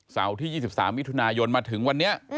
เสาร์ที่๒๓วิทุนายนมาถึงวันนี้